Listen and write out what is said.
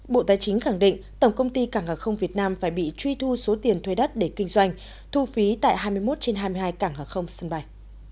bộ tài chính khẳng định tổng công ty cảng hàng không việt nam phải bị truy thu số tiền thuê đất để kinh doanh thu phí tại hai mươi một trên hai mươi hai cảng hàng không sân bay